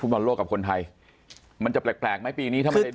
บอลโลกกับคนไทยมันจะแปลกไหมปีนี้ถ้าไม่ได้